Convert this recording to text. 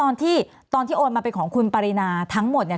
ตอนที่ตอนที่โอนมาเป็นของคุณปรินาทั้งหมดเนี่ย